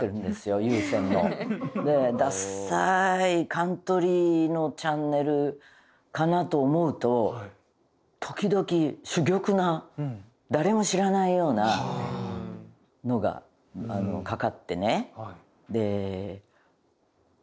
有線の。でダサいカントリーのチャンネルかな？と思うと時々珠玉な誰も知らないようなのがかかってね。